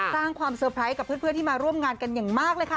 สร้างความเซอร์ไพรส์กับเพื่อนที่มาร่วมงานกันอย่างมากเลยค่ะ